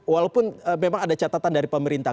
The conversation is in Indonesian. walaupun memang ada catatan dari pemerintah